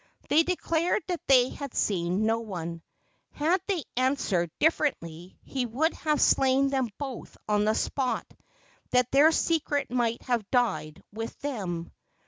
They declared that they had seen no one. Had they answered differently he would have slain them both on the spot, that their secret might have died with them.